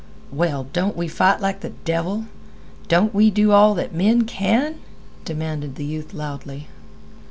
"Well, don't we fight like the devil? Don't we do all that men can?" demanded the youth loudly.